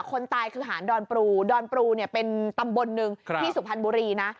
คนตายคือหารดอนปรูดอนปรูเนี่ยเป็นตำบลหนึ่งที่สุพรรณบุรีนะ